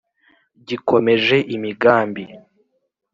Gikomeje imigambi